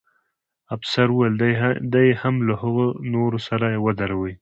افسر وویل: دی هم له هغه نورو سره ودروئ.